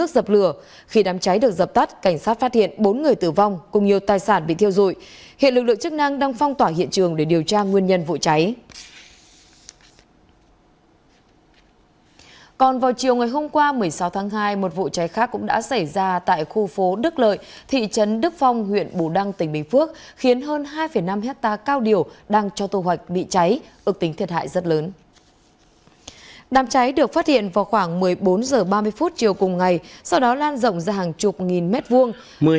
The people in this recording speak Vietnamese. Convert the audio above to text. đám cháy được phát hiện vào khoảng một mươi bốn h ba mươi chiều cùng ngày sau đó lan rộng ra hàng chục nghìn mét vuông